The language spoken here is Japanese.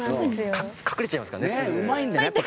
隠れちゃいますからねすぐ。